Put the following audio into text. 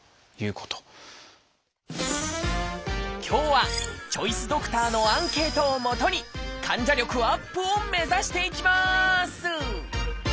今日はチョイスドクターのアンケートをもとに患者力アップを目指していきます！